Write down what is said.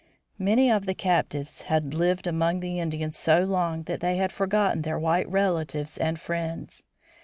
Many of the captives had lived among the Indians so long that they had forgotten their white relatives and friends.